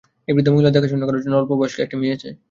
এই বৃদ্ধা মহিলার দেখাশোনা করার জন্যে অল্পবয়স্কা একটি মেয়ে আছে।